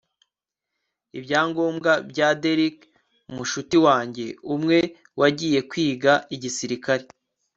ibyangombwa bya derrick mushuti wanjye, umwe wagiye kwiga igisirikare